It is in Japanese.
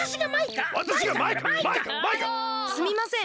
すみません